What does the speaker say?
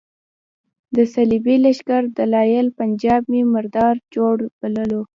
د صلیبي لښکر دلال پنجاب مې مردار جړ بللو.